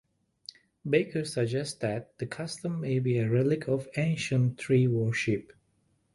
Baker suggests that the custom may be a relic of ancient tree-worship.